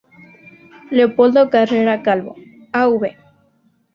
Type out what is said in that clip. Leopoldo Carrera Calvo, Av.